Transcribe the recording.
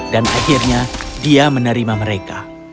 dan akhirnya dia menerima mereka